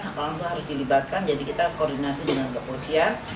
hak hak tua harus dilibatkan jadi kita koordinasi dengan kepolisian